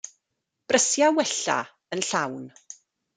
Brysia wella yn llawn.